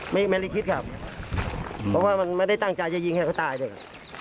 ไม่ได้คิดครับเพราะว่ามันไม่ได้ตั้งใจจะยิงให้เขาตายด้วยครับ